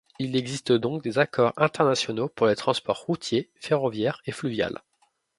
Il existe donc des accords internationaux pour les transports routier, ferroviaire et fluvial.